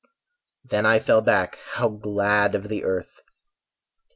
Then I fell back, how glad of the earth!